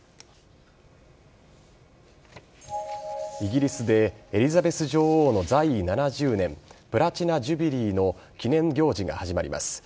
イギリスでエリザベス女王の在位７０年プラチナジュビリーの記念行事が始まります。